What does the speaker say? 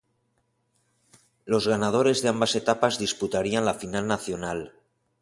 Los ganadores de ambas etapas disputarían la final nacional.